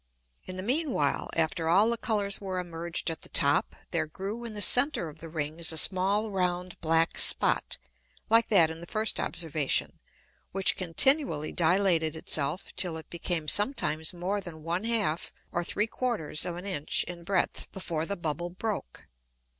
In the mean while, after all the Colours were emerged at the top, there grew in the center of the Rings a small round black Spot, like that in the first Observation, which continually dilated it self till it became sometimes more than 1/2 or 3/4 of an Inch in breadth before the Bubble broke.